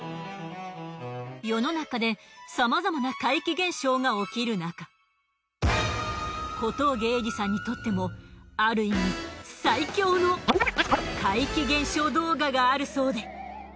世の中でさまざまな怪奇現象が起きるなか小峠英二さんにとってもある意味最強の怪奇現象動画があるそうで。